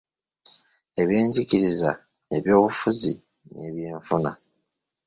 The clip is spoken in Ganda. Ebyenjigiriza, ebyobufuzi n’ebyenfuna